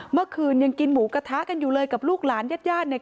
เมื่อคืนยังกินหมูกระทะกันอยู่เลยกับลูกหลานญาติญาติเนี่ย